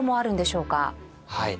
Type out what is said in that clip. はい。